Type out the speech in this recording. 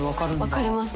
分かります。